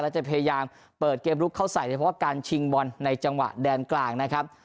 และจะพยายามเปิดเกมลุกเข้าใส่เฉพาะการชิงบอลในจังหวะแดนกลางนะครับ